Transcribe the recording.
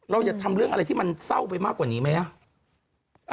อย่าทำเรื่องอะไรที่มันเศร้าไปมากกว่านี้ไหมนะ